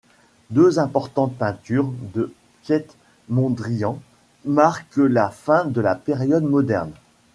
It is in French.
Deux importantes peintures de Piet Mondrian marquent la fin de la période moderne.